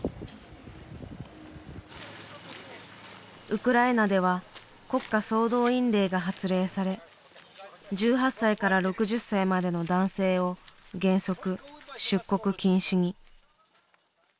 ウクライナでは国家総動員令が発令され１８歳から６０歳までの男性を原則出国禁止に。